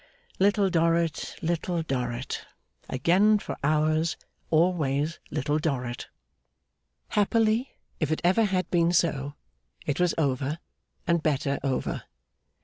Little Dorrit, Little Dorrit. Again, for hours. Always Little Dorrit! Happily, if it ever had been so, it was over, and better over.